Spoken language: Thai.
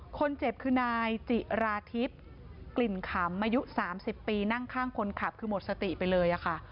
คนเจ็บคือนายจิราทิพย์กลิ่นขำอายุ๓๐ปีนั่งข้างคนขับคือหมดสติไปเลยค่ะ